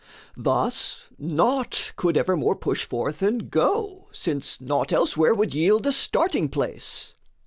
Thus naught could evermore push forth and go, Since naught elsewhere would yield a starting place.